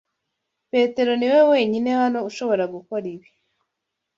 Petero niwe wenyine hano ushobora gukora ibi.